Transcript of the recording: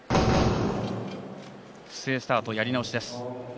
不正スタート、やり直しです。